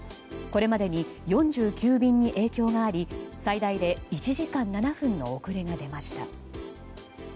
これまでに４９便に影響があり最大で１時間７分の遅れが出ました。